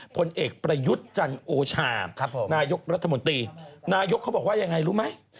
ผลเอกประยุทธ์จันโอชานายกรัฐมนตรีนายกเขาบอกว่ายังไงรู้ไหม